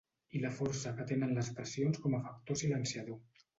I la força que tenen les pressions com a factor silenciador.